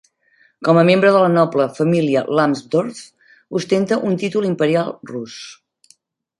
Com a membre de la noble família Lambsdorff, ostenta un títol Imperial rus.